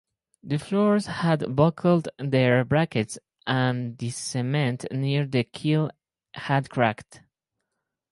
The floors had buckled their brackets and the cement near the keel had cracked.